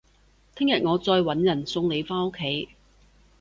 聽日我再搵人送你返屋企